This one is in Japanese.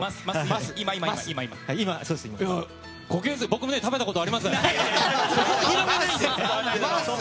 僕も食べたことあります！